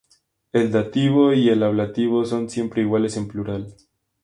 El dativo y el ablativo son siempre iguales en plural.